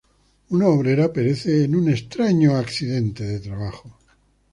Una obrera perece en un extraño accidente de trabajo.